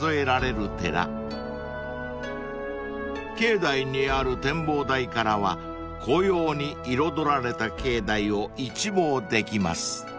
［境内にある展望台からは紅葉に彩られた境内を一望できます］